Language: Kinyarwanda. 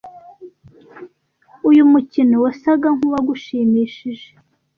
(uyu mukino wasaga nkuwagushimishije)